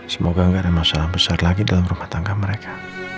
semoga gak ada masalah besar lagi dalam rumah tangga mereka